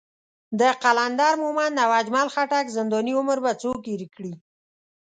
د قلندر مومند او اجمل خټک زنداني عمر به څوک هېر کړي.